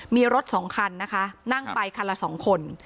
มีรถสองคันนะคะนั่งไปคันละ๒คน